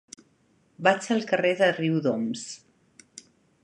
Vaig al carrer de Riudoms.